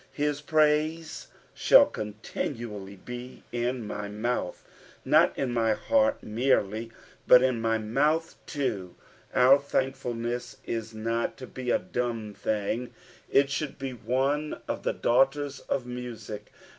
" Si* praise will amtinualty n my mouth," not in my heart merely, but in my mouth too. Our thankful ness is not to be a dumb thing ; it should be one of the dau^ters of music.